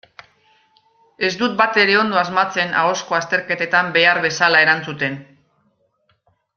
Ez dut batere ondo asmatzen ahozko azterketetan behar bezala erantzuten.